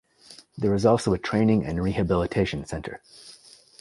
There is also a training and rehabilitation center.